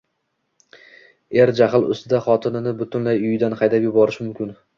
Er jahl ustida xotinini butunlay uyidan haydab yuborishi mumkin.